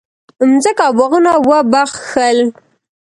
مځکه او باغونه وبخښل.